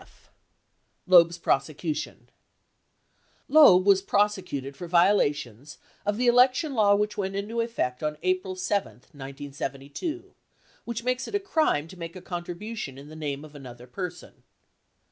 F. Loeb's Prosecution Loeb was prosecuted for violations of the election law which went into effect on April 7, 1972, which makes it a crime to make a contribu tion in the name of another person.